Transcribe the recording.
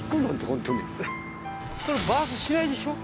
これバースしないでしょ？